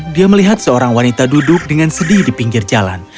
dia melihat seorang wanita duduk dengan sedih di pinggir jalan